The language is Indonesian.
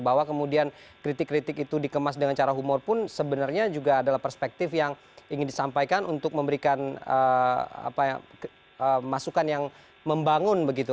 bahwa kemudian kritik kritik itu dikemas dengan cara humor pun sebenarnya juga adalah perspektif yang ingin disampaikan untuk memberikan masukan yang membangun begitu